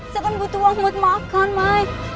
saya kan butuh uang buat makan mie